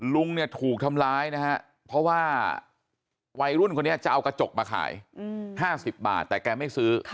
ลุงเนี่ยถูกทำร้ายนะฮะเพราะว่าวัยรุ่นคนนี้จะเอากระจกมาขาย๕๐บาทแต่แกไม่ซื้อ